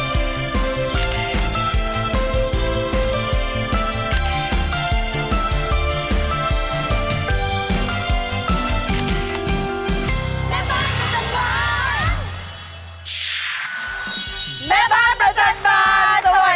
เมฆบ้านประจันบานสวัสดีค่า